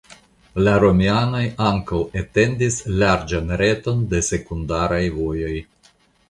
La romianoj ankaŭ etendis larĝan reton de sekundaraj vojoj.